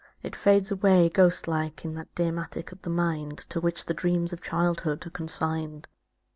It fades away. Ghost like, in that dim attic of the mind To which the dreams of childhood are consigned.